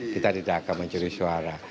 kita tidak akan mencuri suara